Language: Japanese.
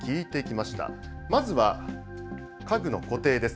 まずは家具の固定です。